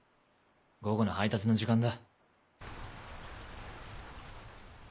午後の配達の時間だ。